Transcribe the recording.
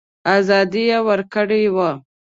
آزادي ورکړې وه.